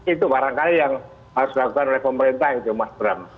itu barangkali yang harus dilakukan oleh pemerintah itu mas bram